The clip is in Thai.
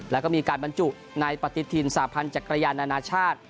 แล้วก็มีการบรรจุในปฏิทินสาพันธ์จักรยานนานาชาติ